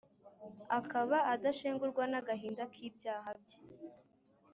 akaba adashengurwa n’agahinda k’ibyaha bye!